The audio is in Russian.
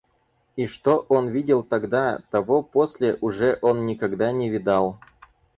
И что он видел тогда, того после уже он никогда не видал.